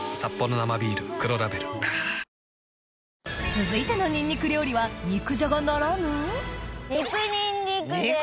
続いてのニンニク料理は肉じゃがならぬ肉ニンニク？